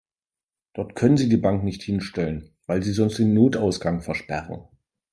Dort können Sie die Bank nicht hinstellen, weil Sie sonst den Notausgang versperren.